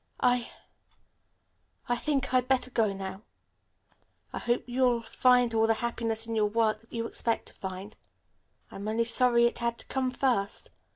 "I I think I'd better go now. I hope you'll find all the happiness in your work that you expect to find. I'm only sorry it had to come first.